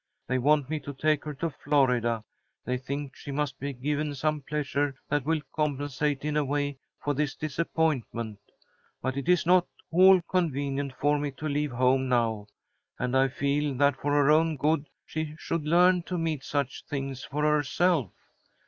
They want me to take her to Florida. They think she must be given some pleasure that will compensate in a way for this disappointment. But it is not at all convenient for me to leave home now, and I feel that for her own good she should learn to meet such things for herself.